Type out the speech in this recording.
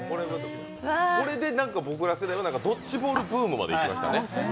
これで僕ら世代はドッジボールブームまでいきましたね。